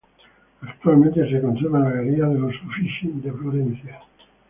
Actualmente, se conserva en la Galería de los Uffizi de Florencia.